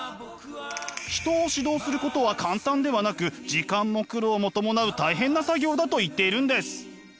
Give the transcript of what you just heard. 人を指導することは簡単ではなく時間も苦労もともなう大変な作業だと言っているんです。